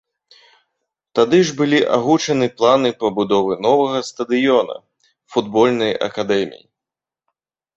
Тады ж былі агучаны планы пабудовы новага стадыёна, футбольнай акадэміі.